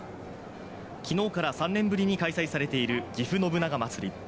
昨日から３年ぶりに開催されているぎふ信長まつり。